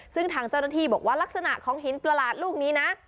ซึ่งทางเจ้าหน้าที่บอกว่าลักษณะของหินประหลาดลูกนี้นะ